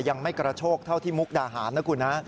ยังไม่กระโชกเท่าที่มุกดาหารนะคุณนะ